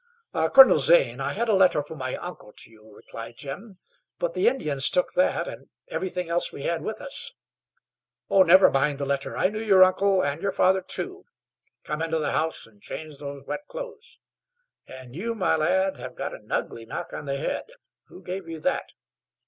"Colonel Zane, I had a letter from my uncle to you," replied Jim; "but the Indians took that and everything else we had with us." "Never mind the letter. I knew your uncle, and your father, too. Come into the house and change those wet clothes. And you, my lad, have got an ugly knock on the head. Who gave you that?"